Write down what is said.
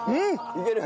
いける。